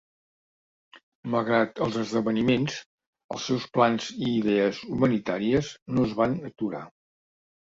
Malgrat els esdeveniments, els seus plans i idees humanitàries no es van aturar.